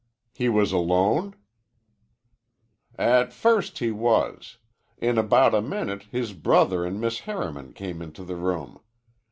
"He was alone?" "At first he was. In about a minute his brother an' Miss Harriman came into the room.